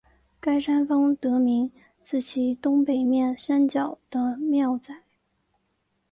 该山峰得名自其东北面山脚的庙仔。